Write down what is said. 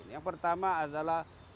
yang pertama adalah